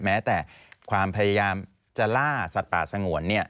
แม้แต่ความพยายามจะล่าสัตว์ป่าสงวน